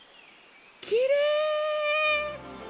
きれい！